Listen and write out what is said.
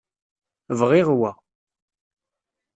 Bɣiɣ wa.